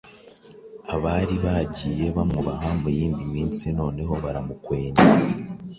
Abari baragiye bamwubaha mu yindi minsi noneho baramukwenye